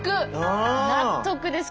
納得です